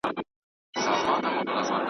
که ته چرګ نه وای پیدا، او ته زمری وای .